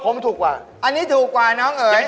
ผมถูกว่าน้องเอ๋ย